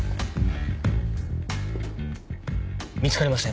見つかりません。